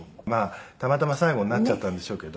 たまたま最後になっちゃったんでしょうけど。